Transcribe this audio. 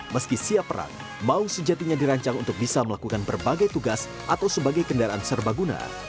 meski siap perang maung sejatinya dirancang untuk bisa melakukan berbagai tugas atau sebagai kendaraan serbaguna